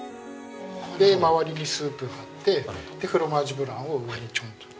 で周りにスープ張ってでフロマージュブランを上にちょんと。